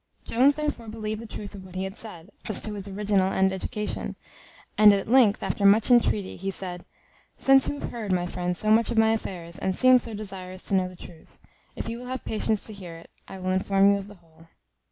Jones therefore believed the truth of what he had said, as to his original and education; and at length, after much entreaty, he said, "Since you have heard, my friend, so much of my affairs, and seem so desirous to know the truth, if you will have patience to hear it, I will inform you of the whole."